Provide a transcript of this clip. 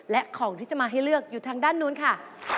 และของที่จะมาให้เลือกอยู่ทางด้านนู้นค่ะ